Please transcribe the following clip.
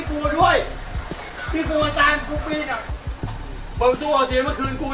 กูมาซ่านกุ๊กนี้แหง